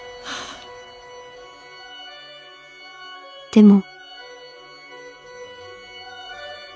「でも」。